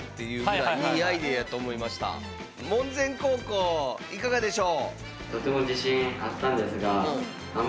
門前高校いかがでしょう？